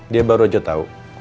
dia baru aja tahu